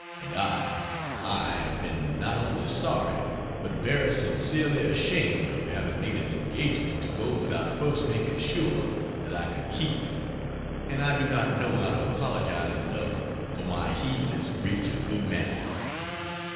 And I, I have been not only sorry but very sincerely ashamed of having made an engagement to go without first making sure that I could keep it, and I do not know how to apologize enough for my heedless breach of good manners.